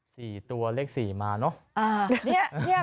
สี่ตัวเลขสี่มาเนอะ